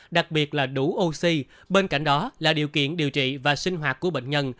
đặc biệt là đủ oxy bên cạnh đó là điều kiện điều trị và sinh hoạt của bệnh nhân